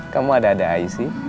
kamu ada ada aisy